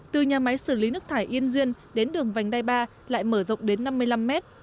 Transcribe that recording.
từ nhà máy xử lý nước thải yên duyên đến đường vành đai ba lại mở rộng đến năm mươi năm mét